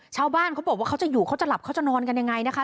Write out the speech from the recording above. ชาวบ้านเขาบอกว่าเขาจะอยู่เขาจะหลับเขาจะนอนกันยังไงนะคะ